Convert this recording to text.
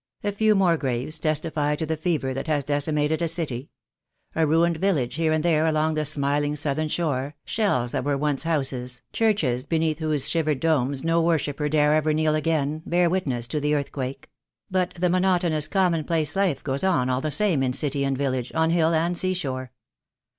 A few more graves testify to the fever that has decimated a city; a ruined village here and there along the smiling southern shore, shells that were once houses, churches beneath whose shivered domes no wor shipper dare ever kneel again, bear witness to the earth quake; but the monotonous common place of life goes on all the same in city and village, on hill and sea shore.